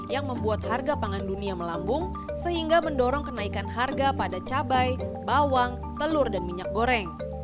yang membuat harga pangan dunia melambung sehingga mendorong kenaikan harga pada cabai bawang telur dan minyak goreng